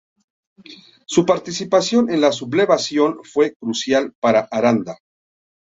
Su participación en la sublevación fue crucial para Aranda.